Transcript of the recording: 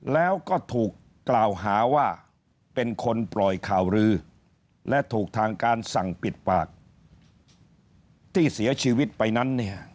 แล้วก็ถูกกล่าวหาว่าเป็นคนปล่อยข่าวรือและถูกทางการสั่งปิดปากที่เสียชีวิตไปนั้นเนี่ย